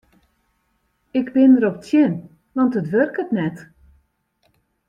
Ik bin derop tsjin want it wurket net.